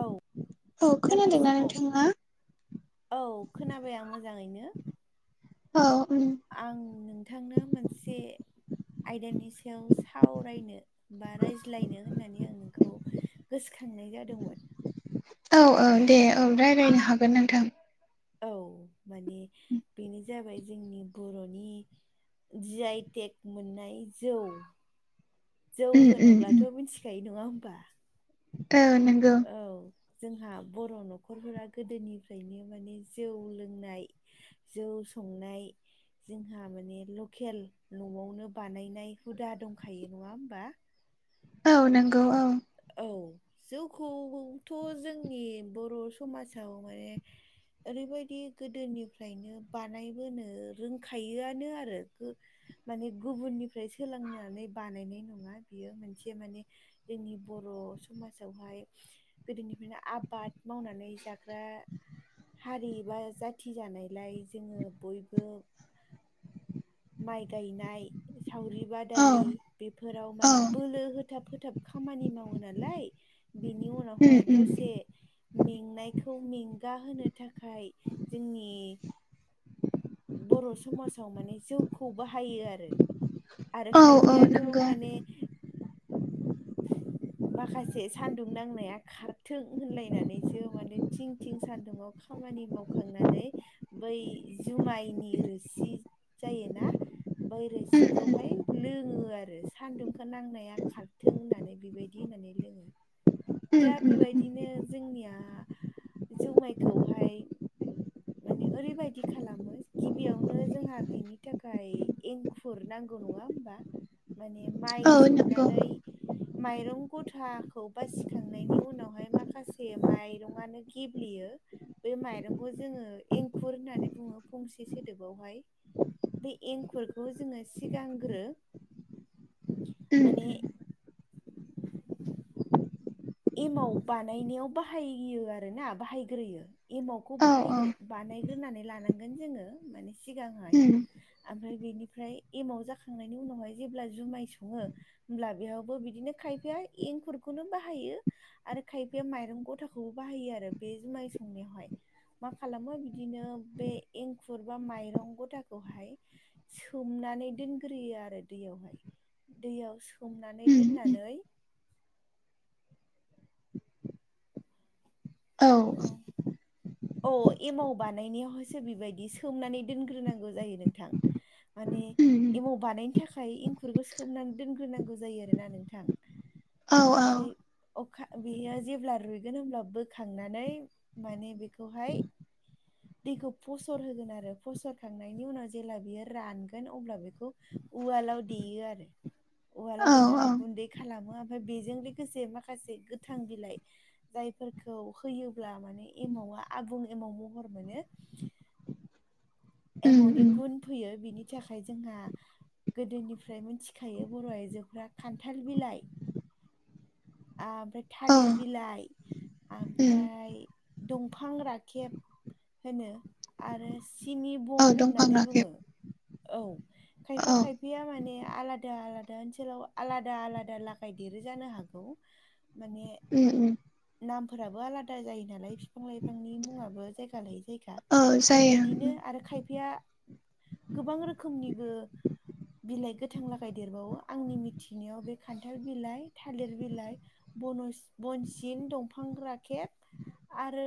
औ औ दा बै खोनादोंना समाव नोंथाङा? औ खोनाबाय आं मोजाङैनो औ आं नोंथांनो मोनसे आयदानि सायाव सावरायनो बा रायज्लायनो होननानै आं नोंखौ गोसोखांनाय जादोंमोन औ औ दे ओम नोंथाङा राय्लायनो हागोन नोंथां औ माने बेनो जाबाय जोंनि बर'नि जिआइटेक मोननाय जौ जौ उम उम उम होनोब्लाथ' मिथिखायो नङा होमबा औ नोंगौ औ जोंहा बर' न'खरफोरा गोदोनिफ्रायनो माने जौ लोंनाय जौ संनाय जोंहा माने लकेल न'आवनो बानायनाय हुदा दंखायो नङा होमबा औ नंगौ औ औ जौखौथ' जोंनि बर' समाजाव माने ओरैबायदि गोदोनिफ्रायनो बानायबोनो रोंखायोआनो आरो माने गुबुननिफ्राय सोलोंनानै बानायनाय नङा बियो मोनसे माने जोंनि बर' समाजावहाय गोदोनिफ्रायनो आबाद मावनानै जाग्रा हारि ए बा जाथि जानायलाय जोङो बयबो माइ गायनाय सावरि औ बादालि बेफोराव औ माने बोलो होथाब फोथाब खामानि मावो नालाय बिनि उम उनावहाय उम दसे मेंनायखौ मेंगााहो थाखाय जोंनि बर' समाजाव माने जउखौ बाहायो आरो आरो औ औ खायफायाथ' नंगौ माने माखासे सान्दुं नांनाया खारथों होनलायनानैसो माने थिं थिं सान्दुंाव खामानि मावखांनानै बै जुमायनि रोसि जायोना बै उम उम रोसिखौहाय लोङो आरो सान्दुंखौ नांनाया खाार थों होननानै बेबायदि होननानै लोङो उम दा उम उम बेबायदिनो जोंनिया जौुमाइखौहाय माने ओरैबायदि खालामो गिबियावनो जोंहा बेनि थाखाय एंखुर नांगौ नङा होमबा [inaudible] माने माइ औ नंगौ सौनानै माइरं गथाखौ बासिखांनायनि उनावहाय माखासे माइरङनो गेब्लेयो बे माइरंखौ जोङो एंखुर होननानै बुङो फंसे सोदोबावहाय बे एंखुरखौ जोङो सिगांग्रो उम माने उम एमाव बानायनायाव बाहायो आरोना बाहायग्रोयो। एमावखौ औ औ बाहायग्रो बानायग्रोनानै लानांगोन जोङो माने सिगांहाय। उम ओमफ्राय बेनिफ्राय एमाव जाखांनायनि उनावहाय जेब्ला जुमाय सङो होमब्ला बेयावबो बिदिनो खायफाया एंखुरखौनो बाहायो आरो खाय बे माइरं गथाखौबो बाहायो आरो बे जुमाय संनायावहाय मा खालामो बिदिनो बे एंखुर बा माइरं गथाखौहाय सोमनानै दोनग्रोयो आरो दैयावहाय। दैयाव सोमनानै उम उम दोननानै औ औ। अ एमाव बानायनायावहायसो बिबायदि सोमनानै दोनग्रोनांगौ जायो नोंथां। माने उम एमाव बानायनो थाखाय एंखु रखो सोमनानै दोनग्रोनांगौ जायो आरोना नोंथां औ ओमफ्राय अखा बेयो जेब्ला रुइगोन होमब्ला बोखांनानै माने बेखौहाय दैखौ फसर होगोन आरो फसरखांनायनि उनाव जेब्ला बियो रानगोन अब्ला बेखौ उवालाव देयो आरो औ उवालाव औ देनानै गुन्दै खालामो ओमफाय बेजों लोगोसे माखासे गोथां बिलाइ जायफोरखौ होयोब्ला माने एमावा आबुं एमाव महर मोनो उम एमावनि उम गुन फैयो बिनि थाखाय जोंहा गोदोनिफ्राय मिथिखायो बर' आइजोफ्रा खान्थाल बिलाइ आमफ्राय औ थालिर बिलाइ उम आमफ्राय दंफां राखेब होनो आरो सिनि [unintelligible] औ दंफां होननानै राखेब बुङो औ खायफा औ खाय फाया माने आलादा आलादा ओनसोलाव आलादा आलादा लागाय देरो जानो हागौ। माने उम उम नामफोराबो आलादा जायो नालाय बिफां लाइफांनि मुङाबो जायगा लायै जायगा। औ जायो बेबायदिनो आरो खायफाया गोबां रोखोमनिबो बिलाइ गोथां लागाय देरबावो आंनि मिथिनायाव बे खान्थाल बिलाइ थालिर बिलाइ बनसि बनसिन दंफां राखेब आरो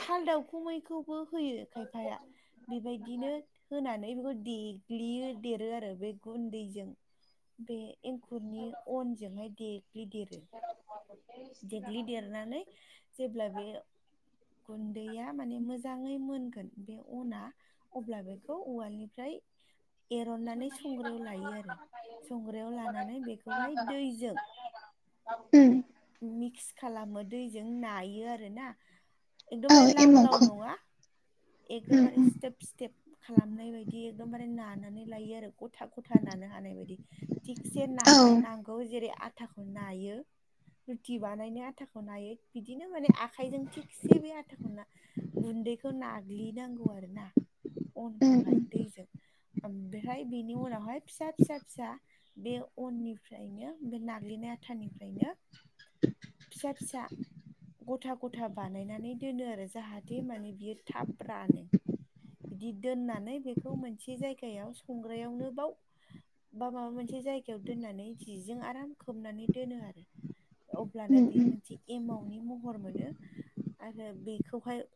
साल दाखुमैखौबो होयो खायफाया। बेबायदिनो होनानै बेखौ देग्लियो देरो आरो बे गुन्दैजों। बे एंखुरनि अनजोंहाय देग्लि देरो। देग्लिदेरनानै जेब्ला बे गुन्दैया माने मोजाङै मोनगोन बे अना अब्ला बेखौ उवालनिफ्राय एरननानै संग्रायाव लायो आरो संग्रायाव लानानै बेखौहाय दैजों उम मिक्स खालामो दैजों नायो आरोना औ एकदमबारे लाव लाव एमावखौ नङा। उम एग्रमारे उम स्टेप स्टेप खालामनाय बायदि एकदमबारे नानानै लायो आरो गथा गथा नानो हानाय बायदि। थिगसे औ उम नाग्रोनांगौ जेरै आथाखौ नायो रुटि बानायनो आथाखौ नायो बिदिनो माने आखाइजों थिगसे बे आथाखौ ना गुन्दैखौ नाग्लिनांगौ आरो ना उम अनखौहाय दैजों। ओम बिनि उनावहाय फिसा फिसा फिसा बे अननिफ्रायनो बे नाग्लिनाय आथानिफ्रायनो फिसा फिसा गथा गथा बानायनानै दोनो आरो जाहाथे माने बियो थाब रानो। बिदि दोननानै बेखौ मोनसे जायगायाव संग्रायावनो बाव बा माबा मोनसे जायगायाव दोननानै जिजों आराम खोबनानै दोनो आरो उम अब्लानो बेयो मोनसे एमाउन्टनि महर मोनो आरो बेखौहाय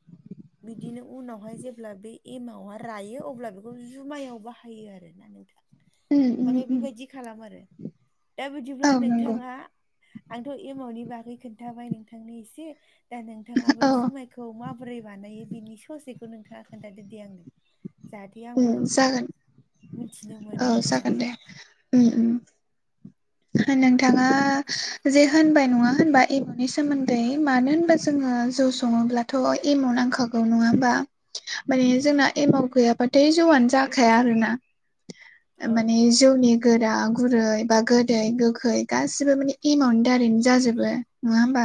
बिदिनो उनावहाय जेब्ला बे एमावहाय रायो अब्ला बेखौ जुमायाव बाहायो आरोना नोंथाङ उम उम माने उम बेबायदि खालाम आरो दा औ बिदिब्ला नंगौ नोंथाङा आंथ' एमावनि बागै खोनन्थाबाय नोंथांनो एसे दा नोंथाङा औ बै जुमायखौ माबोरै बानायो बेनि ससेखौ नोंथाङा खोनथादो दे आंनो। जाहाथे आंबो उम जागोन मिथिनो मोनो मोजाङै। उ उ नोंथाङा जे होनबाय नङा होनबा एब'नि सोमोन्दै मानो होनबा जोङो जौ सङोब्लाथ' एमाव नांखागौ नङ हाबा माने नंगौ जोंना एमाव गैयाबाथाय जौआनो जाखाया आरोना औ माने जौनि गोरा गुरै बा गोदै गोखै गासिबो माने एमाउन्टनि दारैनो जाजोबो नङा होमबा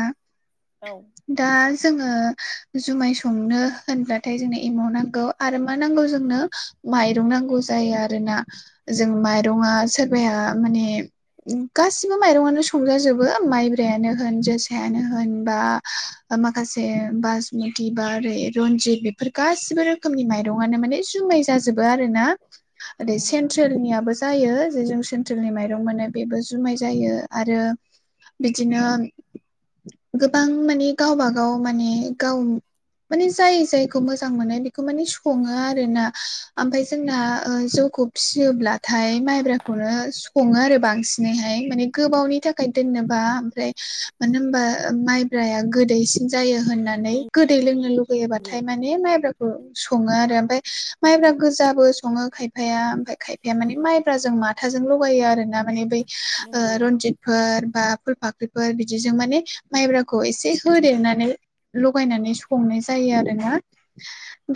औ दा जोङो जुमाय संनो होनब्लाथाय जोंनो एमाव नांगौ आरो मा नांगौ जोंनो माइरं नांगौ जायो आरोना जों माइरंआ सोरबाया माने गासिबो माइरंआानो संजाजोबो माइब्रायानो होन जोसायानो होन बा माखासे बासमति बा ओरै रनजित बेफोर गासिबो रोखोमनि माइरंआनो माने जुमाय जाजोबो आरोना ओरै नंगौ सेन्ट्रेलनियाबो जायो जे जों सेन्ट्रेलनि माइरं मोने बेबो जुमाय जायो आरो बिदिनो गोबां माने गावबागाव माने गाव माने जाय जायखौ मोजां मोननाय बेखौ माने सङो आरो ना ओमफाय जोंना जौखौ फिसियोब्ला हाथाय माइब्राखौनो सङो आरो बांसिनैहाय माने गोबावनि थाखाय दोननोबा ओमफ्राय मानो होनबा माइब्राया गोदैसिन जायो होननानै नंगौ गोदै लोंनो लुबैयो। बाथाय माने बे माइब्राखौ सङो आरो मफ्राय माइब्रा गोजाबो सङो खायफाया मफ्राय खायफाया खायफाया माने माइब्राजों माथाजों लगायो आरो ना माने बै नंगौ रनजित फोर बा फुल फाख्रिफोर बिदिजों माने माइब्राखौ एसे होदेरनानै लगायनानै संनाय जायो आरोना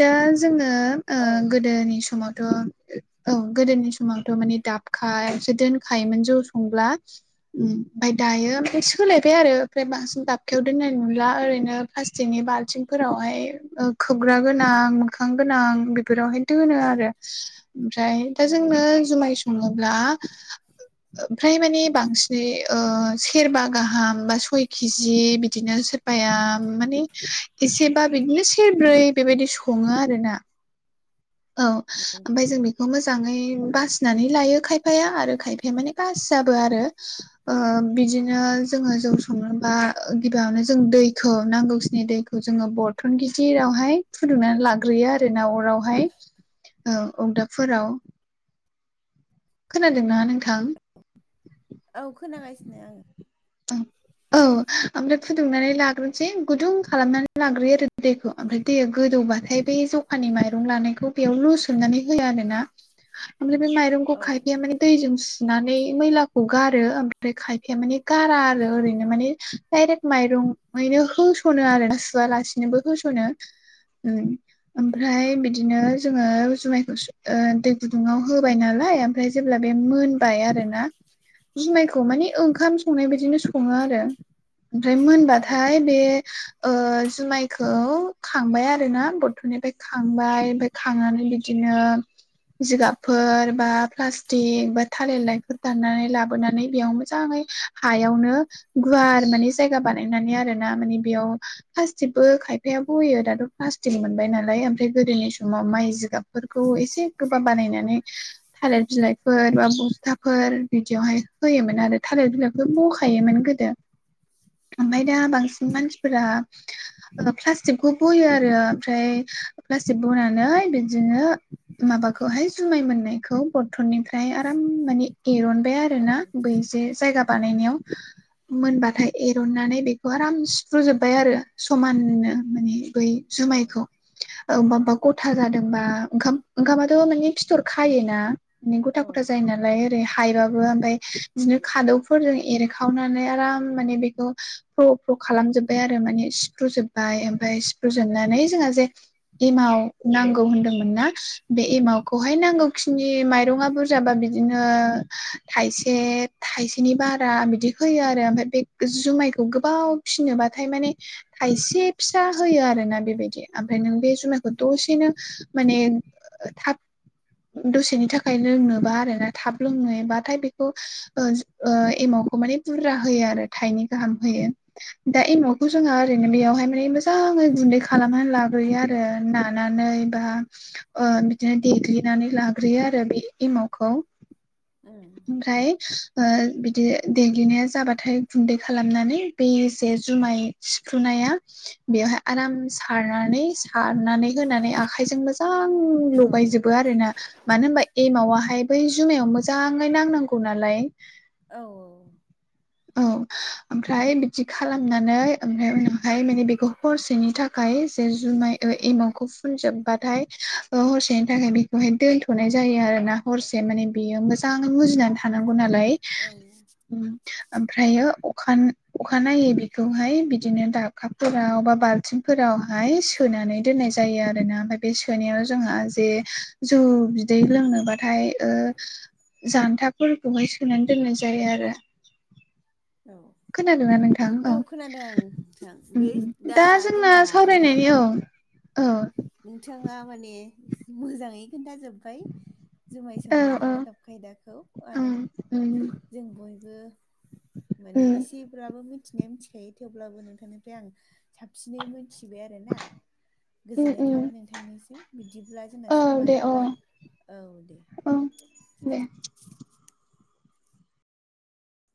दा जोङो ओ औ गोदोनि समावथ' औ गोदोनि समावथ' माने दाबखायावसो दोनखायोमोन जौ संब्ला ओमफफ्राय दायो ओमफ्राय सोलायबाय आरो ओमफ्राय बांसिन दाबखायाव दोननाय नुला ओरैनो फ्लासथिखनि बालथिंफोरावहाय खोबग्रा गोनां मोखां गोनां बेफोरावहाय दोनो आरो ओमफ्राय दा नंगौ जोंनो जुमाय सङोब्ला ओमफ्राय मानिे बांसिनै ओ सेरबा गाहाम बा सय केजि बिदिनो आफाया माने एसेबा बिदिनो सेरब्रै बेबायदि सङो आरो ना औ नंगौ ओमफ्राय जों बे बेखौ मोजाङै बासिनानै लायो खायफाया आरो खायफाया माने बासियाबो आरो ओ बिदिनो जोङो जौ संनोबा गिबियावनो जों दैखौ नांगौखिनि दैखौ खौ जोङो बरथन गिदिरावहाय फुदुंनानै लाग्रोयो आरो ना अरावहाय औ अगदाबफोराव खोनादोंना नोंथां? औ खोनागासिनो आङो औ औ ओमफ्राय फुदुंनानै लाग्रोसै गुदुं खालामनानै लाग्रोयो आरो दैखौ ओमफ्राय दैया गोदौबाथाय बे ज खानि माइरं लानायखौ बेयाव लु सोमनानै होआ आरो ना ओमफ्राय बे माइरंखौ औ खायफाया माने दैजों सुनानै मैलाखौ गारो ओमफ्राय खायफाया माने गारा आरो ओरैनो माने डायरेक्ट माइरङैनो होस'नो आरो ना सुवालासिनोबो होस'नो। ओमफ्राय बिदिनो जोङो जुमाय ओ दै गुदुङाव होबाय नालाय ओमफ्राय जेब्ला बे मोनबाय आरोना जुमायखौ माने ओंखाम संनायबायाददिनो सङो आर। ो ओमफ्राय औ मोनबाथाय बे ओ जुमायखौ खांबाय आरो ना बर्थ'निफ्राय खांबाय ओमफ्राय खांनानै बिदिनो जिगाबफोर बा प्लास्टिक बा थालिरलायफोर दाननानै लाबोनानै बेयाव मोजाङै हायावनो गुवार माने जायगा बानायनानै आरो ना माने बेयाव प्लास्टिकबो खायफायाबो बयो दाथ' प्लास्टिक मोनबाय नालाय ओमफ्राय गोदोनि समाव माइ जिगाब फोरखौ एसे गोबा बानायनानै थालिर बिलाइफोर बा बस्थाफोर बिदियावहाय होयोमोन आरो थालिर बिलाइ बखायोमोन गोदो। ओमफाय औ दा बांसिन मानसिफोरा प्लास्टिकखौ बयो आरो ओमफ्राय प्लास्टिक बनानै बिदिनो माबाखौहाय जुमाय मोननायखौ बर्थ'ननि ओमफ्राय आराम माने एरनबाय आरो ना बै जे जायगा बानायनायाव। मोनबाथाय एर'ननानै बेखौ आराम सिफ्रुजोब्बाय आरो समाननो माने बै औ जुमायखौ। ओ बा बबा गथा जादोंबा ओंखाम ओंखामाथ' मान फिथर खायोना बि गथा औ गथा जायो नालाय ओरै हायबाबो ओमफ्राय बिदिनो खादौ फोरजों एरखावनानै आराम माने बेखौ फ्र फ्र खालामजोबबाय आरो माने सिफ्रुजोब बाय ओमफ्राय औ सिफ्रुजोबनानै जोंहा जे एमाव नांगौ होनदोंमोन ना बे औ एमाखौ बेहाय नांगौखिनि माइरंआ बुरजाबा बिदिनो थायसे थाय सेनि बारा बिदि होयो आरो ओमफ्राय बे जुमायखौ गोबाव फिनोबाथाय माने थायसे फिसा होयो आरोना बेबायदि। ओमफ्राय नों बे जुमायखौ दसेनो माने थाब दसेनि थाखाय लोंनोबा आरो ना थाब लोंनोबाथाय बेखौ ओ ओ एमावखौ माने बुरजा होयो आरो थाइनै गाहाम होयो। दा एमावखौ जोंहा ओरैनो बेयावहाय माने मोजाङै गुन्दै खालामनानै ला ग्रोयो आरो नानानै बा ओ बिदिनो देग्लिनानै लाग्रोयो आरो बे एमावखौ। उम। ओमफ्राय ओ बिदि देग्लिनाया जाबाथाय गुन्दै खालामनानै बेसे जुमाय सिफ्रुनाया बेवहाय आराम सारनानै सारनानै होनानै आखाइजों मो जां लगायजोबो आरोना मानो होनबा एमावाहाय बै जुमायाव मोजाङै नांनांगौ नालाय। औ औ। औ ओमफ्राय बिदि खालामनानै ओमफ्राय उनावहाय माने बेखौ हरसेनि थाखाय जे जुमाय ओ एमाउन्टखौ फुन जोबबाथाय ओ हरसेनि थाखाय बे वहाय दोनथ'नाय जायो आरो ना हरसे माने बेयो मोजाङै मुजिनानै थानांगौ नालाय औ उम। ओमफ्रायो अखान-अखानायै बेखौहाय बिदिनो दाबाबफोरा बा बाल्थिं फोरावहाय सोनानै दोननाय जायो आरोना। ओमफ्राय बे सोनायाव जोंहा जे जौ बिदै लोंनोबा ओमफ्राय जान्थाफोरखौहाय सोनानै दोननाय जायो आरो। औ। खोनादोंना नोंथां? औ खोनादों नोंथां बे दा जोंना जोंहा नै सावरायनायनि औ औ। नोंथाङा माने मोजाङै खोन्थाजोबबाय। जुमाय औ संनायनि औ आदब खायदाखौ आरो उम उम जों बयबो माने उम इसेब्राबो मिथि मिथिनाया मिथिखायो थेवब्लाबो नोंथांनिफ्राय आं साबसिनै मोनथिबाय आरो ना। उम गोजोननाय उम थाबाय नोंथांनिसिम बिदिब्ला जोंना औ समा दे अ जाबाय। औ दे। औ दे।